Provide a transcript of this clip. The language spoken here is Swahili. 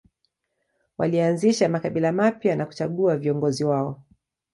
Walianzisha makabila mapya na kuchagua viongozi wao.